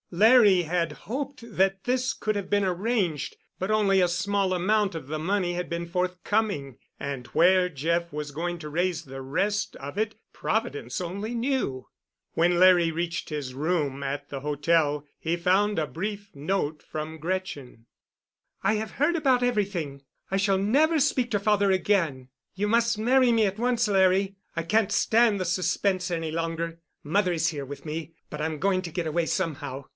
Larry had hoped that this could have been arranged, but only a small amount of the money had been forthcoming, and where Jeff was going to raise the rest of it Providence only knew! When Larry reached his room at the hotel he found a brief note from Gretchen: "I have heard about everything. I shall never speak to father again. You must marry me at once, Larry. I can't stand the suspense any longer. Mother is here with me, but I'm going to get away somehow.